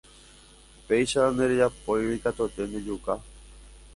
Péicha nderejapóirõ ikatuete ndejuka